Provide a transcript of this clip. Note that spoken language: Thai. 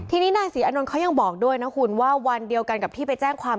ทีนี้นายศรีอานนท์เขายังบอกด้วยนะคุณว่าวันเดียวกันกับที่ไปแจ้งความ